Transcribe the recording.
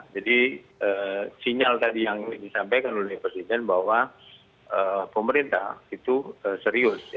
jadi sinyal tadi yang disampaikan oleh presiden bahwa pemerintah itu serius